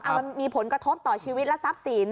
มันมีผลกระทบต่อชีวิตและทรัพย์สิน